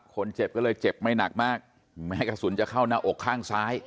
คนเจ็บก็เลยเจ็บไม่หนักมากแม้กระสุนจะเข้าหน้าอกข้างซ้าย